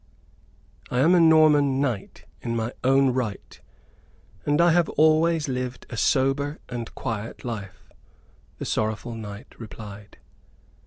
"I am a Norman knight in my own right; and I have always lived a sober and quiet life," the sorrowful knight replied.